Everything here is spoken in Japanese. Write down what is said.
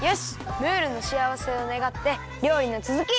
ムールのしあわせをねがってりょうりのつづき！